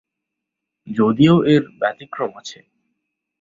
যদিও এর ব্যতিক্রম আছে।